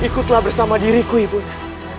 ikutlah bersama diriku ibunda